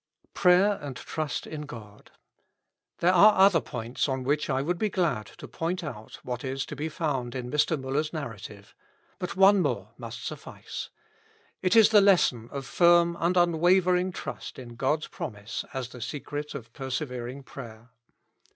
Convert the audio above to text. Prayer and Trust in God. There are other points on which I would be glad to point out what is to be found in Mr. MuUer's narrative, but one more must suffice. It is the lesson of firm and unwavering trust in God's promise as the secret of persevering prayer.